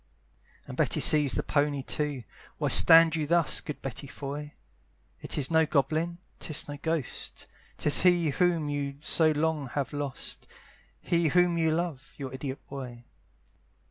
And Betty sees the pony too: Why stand you thus Good Betty Foy? It is no goblin, 'tis no ghost, 'Tis he whom you so long have lost, He whom you love, your idiot boy.